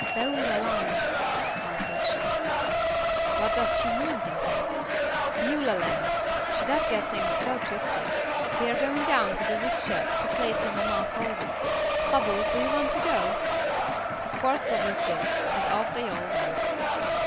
"Beurah lan'," answered she. "What does she mean, Dimple?" "Beulah land. She does get things so twisted. We are going down to the woodshed to play till mamma calls us. Bubbles, do you want to go?" Of course Bubbles did, and off they all went.